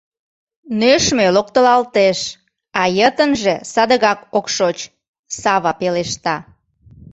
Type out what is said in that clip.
— Нӧшмӧ локтылалтеш, а йытынже садыгак ок шоч, — Сава пелешта.